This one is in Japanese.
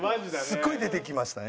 すごい出てきましたね。